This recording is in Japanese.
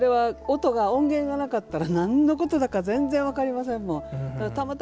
それは音が、音源がなかったら何のことだか全然分かりませんもの。